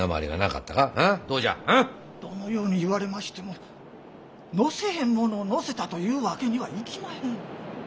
どのように言われましても乗せへんものを乗せたと言うわけにはいきまへん。